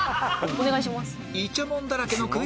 お願いします。